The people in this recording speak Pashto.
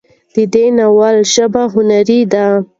د دې ناول ژبه هنري ده